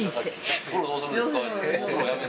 お風呂どうするんですか？